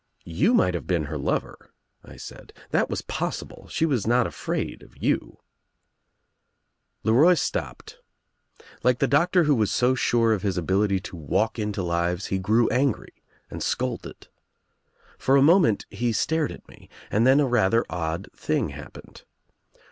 "You might have been her lover," I said. "That was possible. She was not afraid of you," LeRoy stopped. Like the doctor who was so sure of his ability to walk into lives he grew angry and scolded. For a moment he stared at me and then a rather odd thing happened.